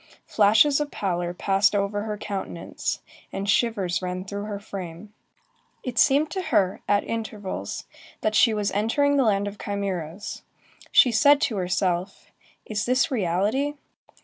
Flashes of pallor passed over her countenance, and shivers ran through her frame. It seemed to her, at intervals, that she was entering the land of chimæras; she said to herself: "Is this reality?"